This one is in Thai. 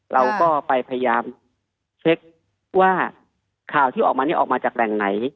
เราก็ไปพยายามเช็คว่าข่าวที่ออกมานี้ออกมาจากแหล่งไหน